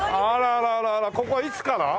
ここはいつから？